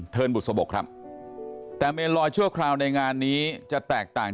บุษบกครับแต่เมนลอยชั่วคราวในงานนี้จะแตกต่าง